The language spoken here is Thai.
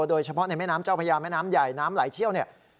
โดยเฉพาะในแม่น้ำเจ้าพญาแม่น้ำใหญ่น้ำไหลเชี่ยวเนี่ย